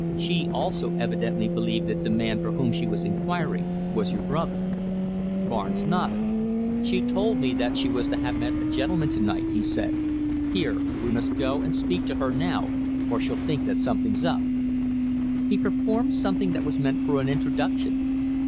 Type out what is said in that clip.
She also evidently believed that the man for whom she was inquiring was your brother." Barnes nodded. "She told me that she was to have met a gentleman to night," he said. "Here, we must go and speak to her now, or she'll think that something's up." He performed something that was meant for an introduction.